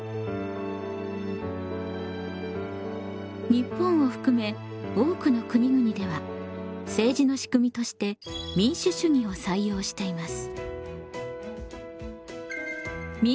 日本を含め多くの国々では政治のしくみとして民主主義を採用しています。